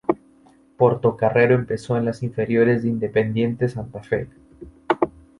Portocarrero empezó en las inferiores de Independiente Santa Fe.